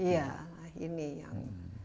iya ini yang